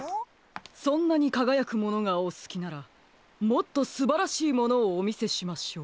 そんなにかがやくものがおすきならもっとすばらしいものをおみせしましょう。